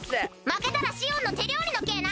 負けたらシオンの手料理の刑な！